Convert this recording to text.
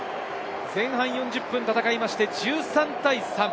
前半４０分戦って１３対３。